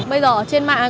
bây giờ trên mạng